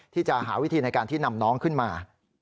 ที่จะหาวิธีในการที่นำน้องขึ้นมา